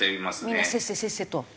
みんなせっせせっせと。